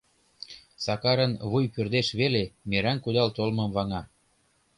Сакарын вуй пӧрдеш веле, мераҥ кудал толмым ваҥа.